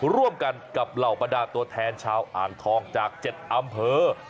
ร่วมกันกับเหล่าบรรดาตัวแทนชาวอ่างทองจาก๗อำเภอ